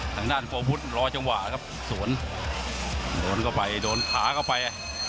ข้างด้านโพบุสรอเจังหวะครับมันก็ไปโดนขาเข้าไป